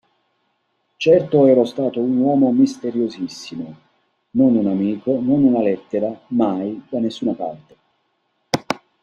Certo ero stato un uomo misteriosissimo: non un amico, non una lettera, mai, da nessuna parte.